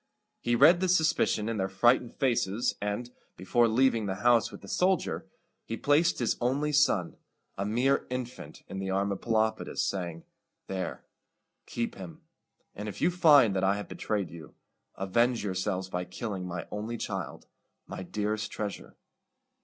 He read this suspicion in their frightened faces, and, before leaving the house with the soldier, he placed his only son, a mere infant, in the arms of Pelopidas, saying, "There, keep him; and if you find that I have betrayed you, avenge yourselves by killing my only child, my dearest treasure."